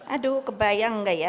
aduh kebayang gak ya